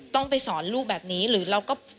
ต้องไปสอนลูกแบบนี้หรือเราก็